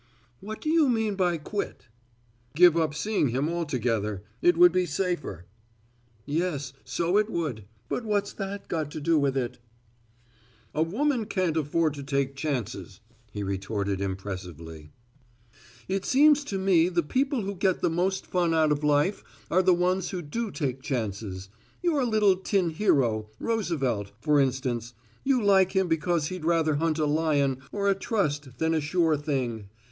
"What do you mean by 'quit'?" "Give up seeing him altogether. It would be safer." "Yes, so it would. But what's that got to do with it?" "A woman can't afford to take chances," he retorted impressively. "It seems to me the people who get the most fun out of life are the ones who do take chances. Your little tin hero, Roosevelt, for instance you like him because he'd rather hunt a lion or a trust than a sure thing.